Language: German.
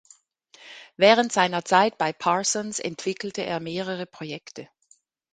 Während seiner Zeit bei Parsons entwickelte er mehrere Projekte.